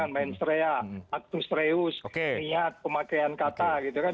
menstreak actus reus niat pemakaian kata gitu kan